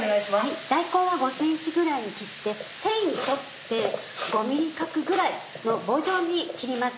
大根は５ｃｍぐらいに切って繊維に沿って５ｍｍ角ぐらいの棒状に切ります。